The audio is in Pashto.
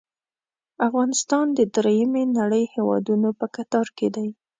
افغانستان د دریمې نړۍ هیوادونو په کتار کې دی.